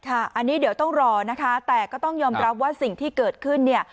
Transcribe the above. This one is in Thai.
อันนี้เดี๋ยวต้องรอนะคะแต่ก็ต้องยอมรับว่าสิ่งที่เกิดขึ้นเนี่ย